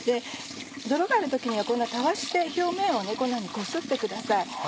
泥がある時にはタワシで表面をこんなふうにこすってください。